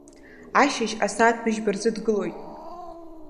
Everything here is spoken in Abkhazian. Ашьыжь, асааҭ быжьба рзы дгылоит.